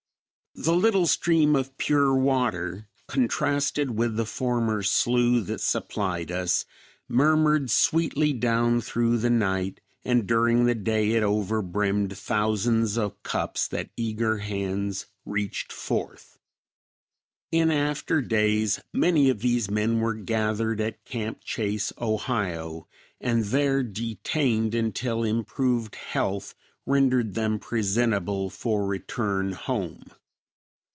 The little stream of pure water, contrasted with the former slough that supplied us, murmured sweetly down through the night, and during the day it over brimmed thousands of cups that eager hands reached forth. In after days many of these men were gathered at Camp Chase, Ohio, and there detained until improved health rendered them presentable for return home.